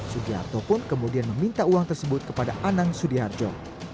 sugiarto pun kemudian meminta uang tersebut kepada anang sudiharjo